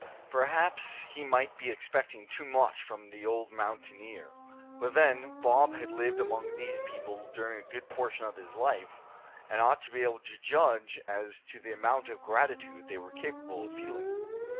Perhaps he might be expecting too much from the old mountaineer; but then, Bob had lived among these people during a good portion of his life, and ought to be able to judge as to the amount of gratitude they were capable of feeling.